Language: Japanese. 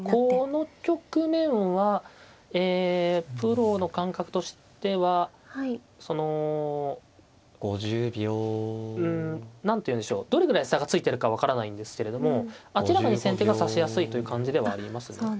この局面はえプロの感覚としてはそのうん何ていうんでしょうどれぐらい差がついてるか分からないんですけれども明らかに先手が指しやすいという感じではありますね。